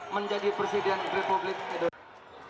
menjadi presiden republik edo